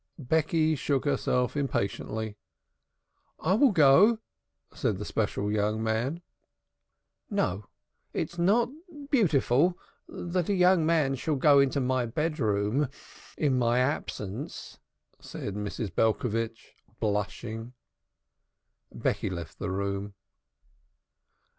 Becky shook herself impatiently. "I will go," said the special young man. "No, it is not beautiful that a young man shall go into my bedroom in my absence," said Mrs. Belcovitch blushing. Becky left the room.